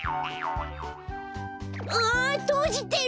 あとじてる！